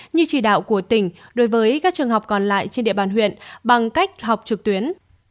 như chỉ đạo của tỉnh đối với các trường học còn lại trên địa bàn huyện bằng cách học trực tuyến